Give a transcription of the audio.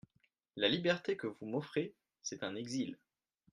La liberté que vous m'offrez, c'est un exil.